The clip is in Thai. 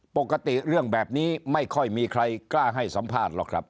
ปกติเรื่องแบบนี้ไม่ค่อยมีใครกล้าให้สัมภาษณ์หรอกครับ